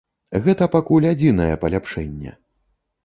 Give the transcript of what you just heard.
Гэта пакуль адзінае паляпшэнне.